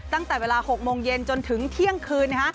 ตั้งแต่เวลา๖โมงเย็นจนถึงเที่ยงคืน